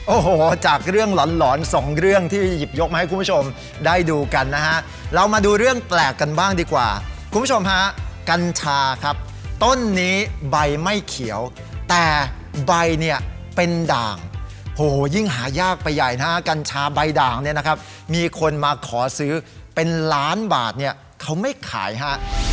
โอ้โหจากเรื่องหลอนหลอนสองเรื่องที่หยิบยกมาให้คุณผู้ชมได้ดูกันนะฮะเรามาดูเรื่องแปลกกันบ้างดีกว่าคุณผู้ชมฮะกัญชาครับต้นนี้ใบไม่เขียวแต่ใบเนี่ยเป็นด่างโหยิ่งหายากไปใหญ่นะฮะกัญชาใบด่างเนี่ยนะครับมีคนมาขอซื้อเป็นล้านบาทเนี่ยเขาไม่ขายฮะ